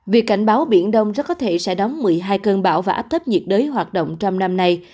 việc cảnh báo biển đông rất có thể sẽ đóng một mươi hai cơn bão và áp thấp nhiệt đới hoạt động trong năm nay